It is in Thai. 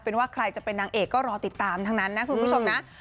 เป็นว่าใครจะเป็นนางเอกก็รอติดตามทั้งนั้นนะคุณผู้ชมนะ